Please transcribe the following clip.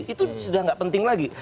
itu sudah tidak penting lagi